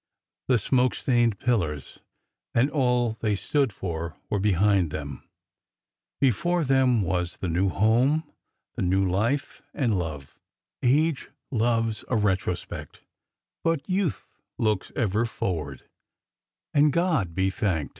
The smoke stained pillars and all they stood for were be hind them. Before them was the new home — the new life —and love. Age loves a retrospect, but Youth looks ever forward— and God be thanked!